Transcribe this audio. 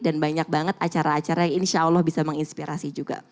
dan banyak banget acara acara yang insyaallah bisa menginspirasi juga